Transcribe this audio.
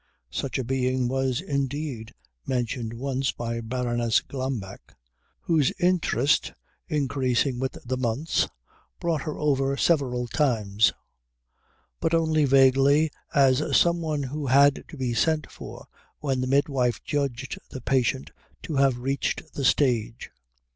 Such a being was indeed mentioned once by Baroness Glambeck, whose interest, increasing with the months, brought her over several times, but only vaguely as some one who had to be sent for when the midwife judged the patient to have reached the stage.